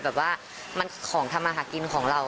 แบบว่ามันคือของธรรมหากินของเรา